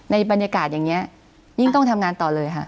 บรรยากาศอย่างนี้ยิ่งต้องทำงานต่อเลยค่ะ